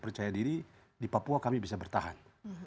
percaya diri di papua kami bisa bertahan